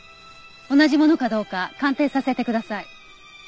同じものかどうか鑑定させてください。